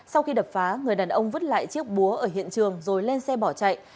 sau khi đập phá người đàn ông vứt lại chiếc búa ở hiện trường rồi lên xe bỏ chạy